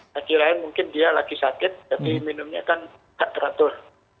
lagi lain mungkin dia lagi sakit tapi minumnya kan tak teratur